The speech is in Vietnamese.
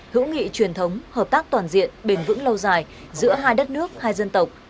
hữu nghị truyền thống hợp tác toàn diện bền vững lâu dài giữa hai đất nước hai dân tộc